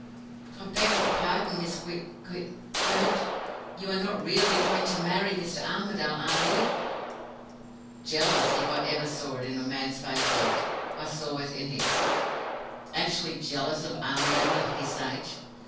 'I beg your pardon, Miss Gwi Gwi Gwilt! You are not really go go going to marry Mr. Armadale, are you?' Jealous if ever I saw it in a man's face yet, I saw it in his actually jealous of Armadale at his age!